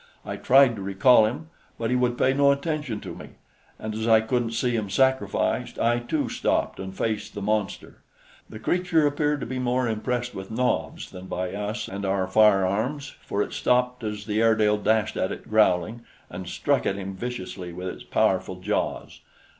I tried to recall him, but he would pay no attention to me, and as I couldn't see him sacrificed, I, too, stopped and faced the monster. The creature appeared to be more impressed with Nobs than by us and our firearms, for it stopped as the Airedale dashed at it growling, and struck at him viciously with its powerful jaws.